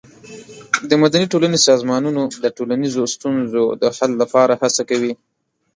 د مدني ټولنې سازمانونه د ټولنیزو ستونزو د حل لپاره هڅه کوي.